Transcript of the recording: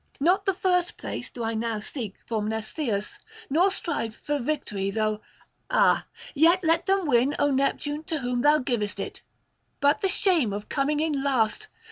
Not the first [194 227]place do I now seek for Mnestheus, nor strive for victory; though ah! yet let them win, O Neptune, to whom thou givest it. But the shame of coming in last!